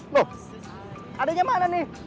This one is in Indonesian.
loh adiknya mana nih